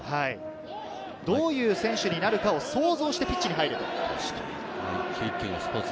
どういう選手になるかを想像してピッチに入れと。